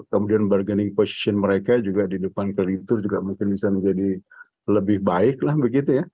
kemudian bargaining position mereka juga di depan ke litu juga mungkin bisa menjadi lebih baik lah begitu ya